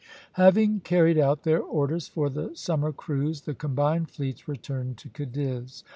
Having carried out their orders for the summer cruise, the combined fleets returned to Cadiz.